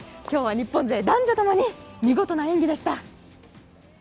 今日は日本勢男女共に見事な演技でした。